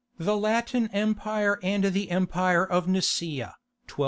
THE LATIN EMPIRE AND THE EMPIRE OF NICAEA.